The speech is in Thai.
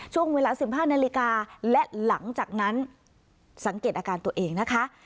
ช่วงเวลา๑๕นาฬิกาและหลังจากนั้นสังเกตอาการตัวเองนะคะ